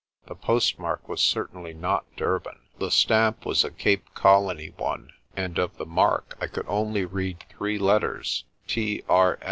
The postmark was certainly not Durban. The stamp was a Cape Colony one, and of the mark I could only read three letters, T.R.